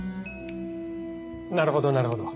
なるほどなるほど。